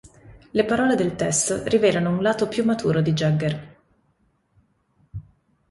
Le parole del testo rivelano un lato più maturo di Jagger.